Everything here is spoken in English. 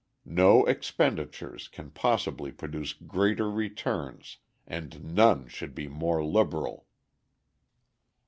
No expenditures can possibly produce greater returns and none should be more liberal.